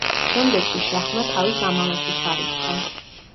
შემდეგში შაჰმა თავის ამალაში ჩარიცხა.